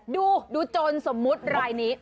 ดูโจรสมมุติรายนี้